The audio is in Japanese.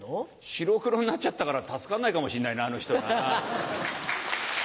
白黒になっちゃったから助からないかもしんないなあの人は。